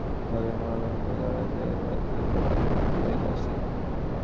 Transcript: থলে-মোড়া মূর্তিটা হামাগুড়ি দিয়া এবার দুই কদম আগাঁইয়া আসিল।